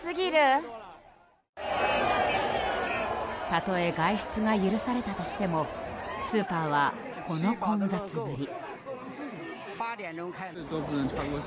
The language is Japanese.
たとえ外出が許されたとしてもスーパーはこの混雑ぶり。